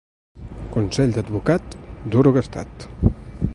Consell d'advocat, duro gastat.